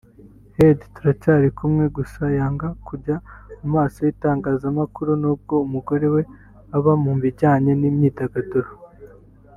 Heard turacyari kumwe gusa yanga kujya mu maso y’itangazamakuru nubwo umugore we aba mu bijyanye n’imyidagaduro